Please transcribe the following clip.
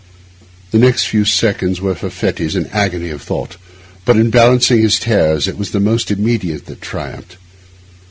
The next few seconds were for Fettes an agony of thought; but in balancing his terrors it was the most immediate that triumphed.